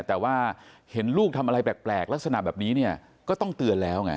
แต่ว่าเห็นลูกทำอะไรแปลกลักษณะแบบนี้เนี่ยก็ต้องเตือนแล้วไง